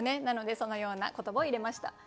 なのでそのような言葉を入れました。